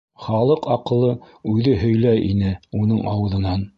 Халыҡ аҡылы үҙе һөйләй ине уның ауыҙынан.